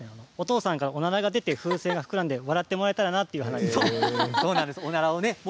お父さんからおならが出て風船が膨らんで笑ってもらえたらなと思って。